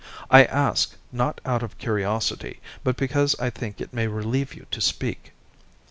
I ask, not out of curiosity, but because I think it may relieve you to speak."